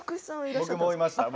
僕もいました。